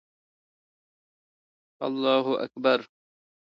اللهاکبر، اشهدان الاله االاهلل